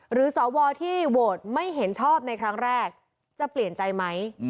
สวที่โหวตไม่เห็นชอบในครั้งแรกจะเปลี่ยนใจไหม